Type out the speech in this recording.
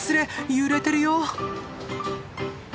揺れてるよ。